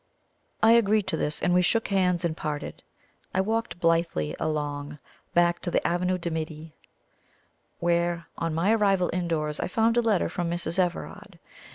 I agreed to this, and we shook hands and parted. I walked blithely along, back to the Avenue du Midi, where, on my arrival indoors, I found a letter from Mrs. Everard.